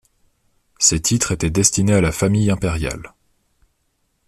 Ces titres étaient destinés à la famille impériale.